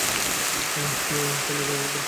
আহ- হু ফেলে দাও বলছি।